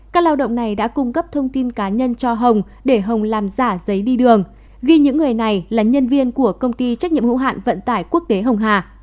các lao động này đã cung cấp thông tin cá nhân cho hồng để hồng làm giả giấy đi đường ghi những người này là nhân viên của công ty trách nhiệm hữu hạn vận tải quốc tế hồng hà